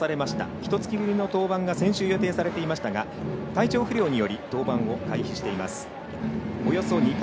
ひとつきぶりの登板が先週予定されていましたが体調不良により登板を回避しています。